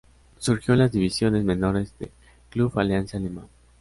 Surgió en las divisiones menores del club Alianza Lima.